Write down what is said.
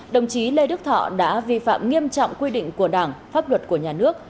đồng chí lê đức thọ đã vi phạm nghiêm trọng quy định của đảng pháp luật của nhà nước